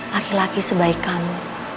laki laki sebaik kamu